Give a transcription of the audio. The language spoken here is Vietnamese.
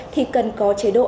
thì cần có chế độ ăn